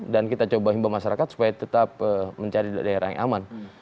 dan kita coba himbah masyarakat supaya tetap mencari daerah yang aman